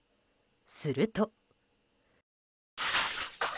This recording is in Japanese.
すると。